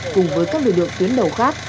cùng với các điều được tuyến đầu khác